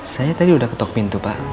saya tadi udah ketuk pintu pak